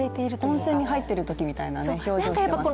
温泉に入ってるときみたいな表情してますね。